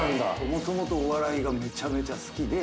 もともとお笑いがめちゃめちゃ好きで。